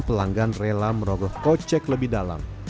pelanggan rela merogoh kocek lebih dalam